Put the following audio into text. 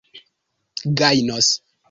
gajnos